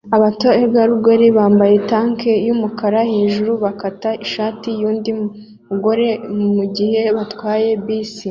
abategarugori bambaye tank yumukara hejuru bakata ishati yundi mugore mugihe batwaye bisi